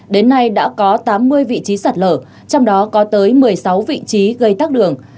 đến nay đã có tám mươi vị trí sạt lở trong đó có tới một mươi sáu vị trí gây tắc đường